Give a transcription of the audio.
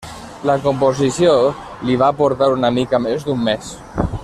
La composició li va portar una mica més d'un mes.